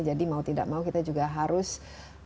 jadi mau tidak mau kita juga harus mempersiapkan ini